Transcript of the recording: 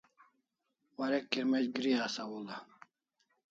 Warek kirmec' gri asaw hul'a